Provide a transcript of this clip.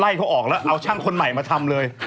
เขาออกแล้วเอาช่างคนใหม่มาทำเลย